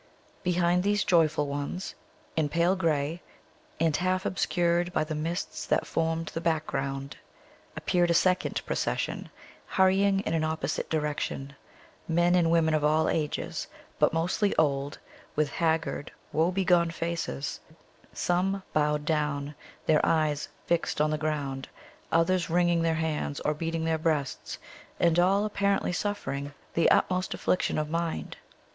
Behind these joyful ones, in pale gray, and half obscured by the mists that formed the background, appeared a second procession, hurrying in an opposite direction men and women of all ages, but mostly old, with haggard, woebegone faces; some bowed down, their eyes fixed on the ground; others wringing their hands, or beating their breasts; and all apparently suffering the utmost affliction of mind.